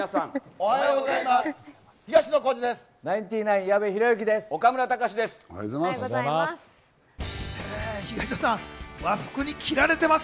おはようございます。